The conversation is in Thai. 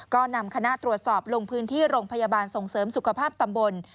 ก็นำคณะตรวจสอบลงพื้นที่โรงพยาบาลส่งเสริมสุขภาพตำบล